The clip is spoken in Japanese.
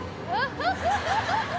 「ハハハハ！」